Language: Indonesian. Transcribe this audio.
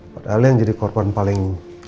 padahal yang jadi korban paling